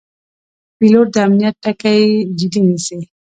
پیلوټ د امنیت ټکي جدي نیسي.